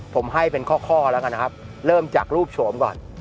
ผมให้เป็นข้อแล้วกันนะครับเริ่มจากรูปโฉมก่อน